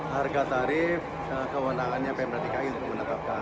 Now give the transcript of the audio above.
harga tarif kewenangannya pemrati ku untuk menetapkan